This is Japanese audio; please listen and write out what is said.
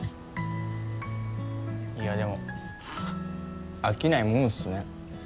いやでも飽きないもんっすね。